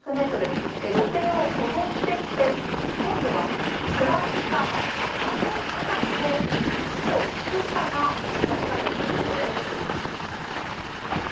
土手を上ってきて今度は下ったあの辺りで靴と靴下が見つかったということです。